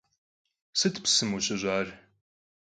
Сыт псым къыщыщӀар?